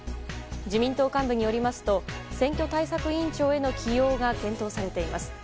自民党幹部によりますと選挙対策委員長への起用が検討されています。